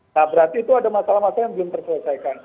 nah berarti itu ada masalah masalah yang belum terselesaikan